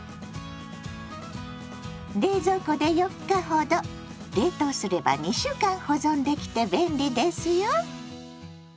冷蔵庫で４日ほど冷凍すれば２週間保存できて便利ですよ。